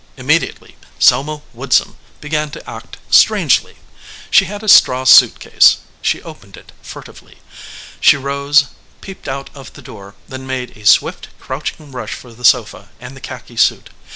Immediately Selma Woodsum began to act strangely. She had a straw suit case. She opened it furtively. She rose, peeped out of the door, then made a swift, crouching rush for the sofa and the khaki suit.